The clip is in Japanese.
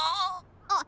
あっ！